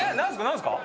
何すか？